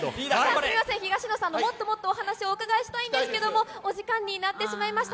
すみません、東野さん、もっともっとお話をお伺いしたいんですけど、お時間になってしまいました。